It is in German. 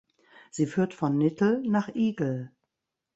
Sie führt von Nittel nach Igel.